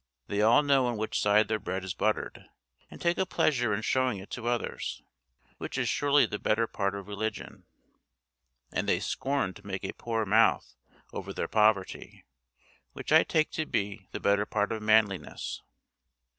They all know on which side their bread is buttered, and take a pleasure in showing it to others, which is surely the better part of religion. And they scorn to make a poor mouth over their poverty, which I take to be the better part of manliness.